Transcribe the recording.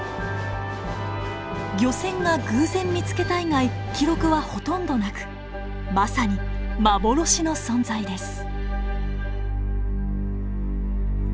漁船が偶然見つけた以外記録はほとんどなくまさに幻の存在です。